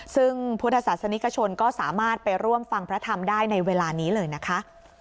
ซึ่งพุทธศาสนิกชนก็สามารถไปร่วมฟังพระธรรมได้ในเวลานี้เลยนะคะ